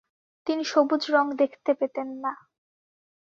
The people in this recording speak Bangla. তিনি সবুজ রঙ দেখতে পেতেন না।